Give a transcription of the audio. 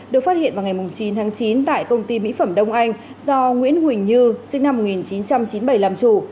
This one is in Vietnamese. được phát hiện vào ngày chín tháng chín tại công ty mỹ phẩm đông anh do nguyễn huỳnh như sinh năm một nghìn chín trăm chín mươi bảy làm chủ